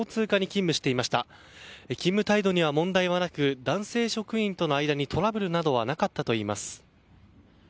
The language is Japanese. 勤務態度には問題はなく男性職員との間にトラブルなどはなかったといいます。